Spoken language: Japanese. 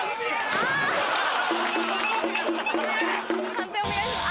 ・判定お願いします。